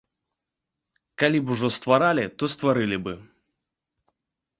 Калі б ужо стваралі, то стварылі бы.